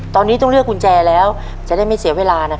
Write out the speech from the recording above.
ตอนนี้ต้องเลือกกุญแจแล้วจะได้ไม่เสียเวลา